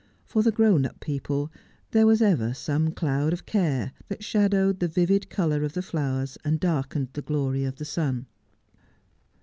For the grown up people there was ever some cloud of care that shadowed the vivid colour of the flowers and darkened the glory of the sun.